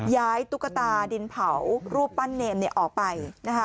ย้ายตุ๊กตาดินเผารูปปั้นเนมออกไป